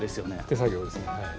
手作業ですねはい。